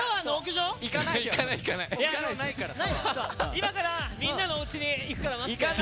今からみんなのおうちに行くから待ってて。